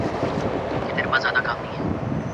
তাহলে এসব বন্ধ করতে আমাকে সাহায্য করুন।